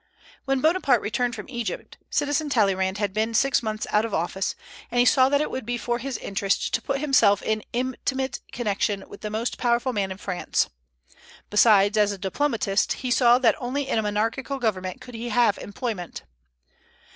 When Bonaparte returned from Egypt, Citizen Talleyrand had been six months out of office, and he saw that it would be for his interest to put himself in intimate connection with the most powerful man in France. Besides, as a diplomatist, he saw that only in a monarchical government could he have employment.